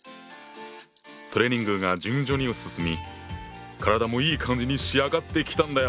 トレーニングが順調に進み体もいい感じに仕上がってきたんだよ。